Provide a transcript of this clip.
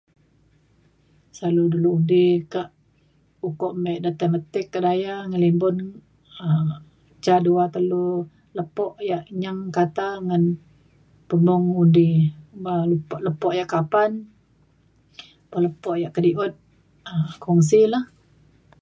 selalu dulu undi kak ukok me de tai meti kedaya ngelimbun um ca dua telu lepo yak nyeng kata ngan pemung undi ba lepo lepo yak kapan un lepo yak kedi’ut um kongsi lah